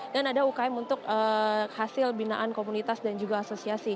dan ada umkm untuk hasil binaan komunitas